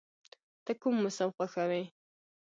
ته کوم موسم خوښوې؟